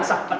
ya siap bos